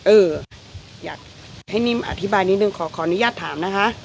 เอออยากให้นิ่มอธิบายนิดนึงขออนุญาตถามนะคะ